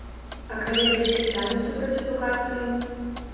А калі бацькі самі супраць адукацыі?